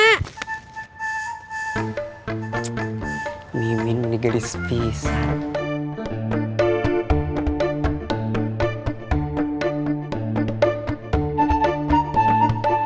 tsk mimin digeris pisah